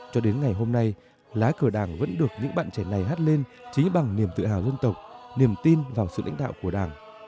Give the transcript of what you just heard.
cho đến ngày hôm nay lá cờ đảng vẫn được những bạn trẻ này hát lên trí bằng niềm tự hào dân tộc niềm tin vào sự lãnh đạo của đảng